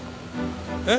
えっ？